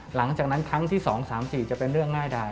หลังจากนั้นครั้งที่๒๓๔จะเป็นเรื่องง่ายดาย